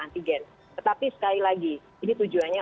antigen tetapi sekali lagi ini tujuannya